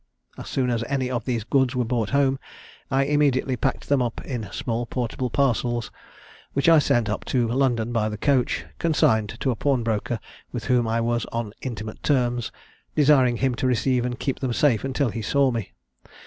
As soon as any of these goods were brought home, I immediately packed them up in small portable parcels, which I sent up to London by the coach, consigned to a pawnbroker with whom I was on intimate terms; desiring him to receive and keep them safe until he saw me.